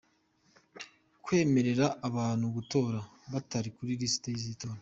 Kwemerera abantu gutora batari kuri lisiti z’itora.